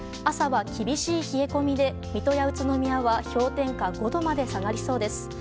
朝は厳しい冷え込みで水戸や宇都宮は氷点下５度まで下がりそうです。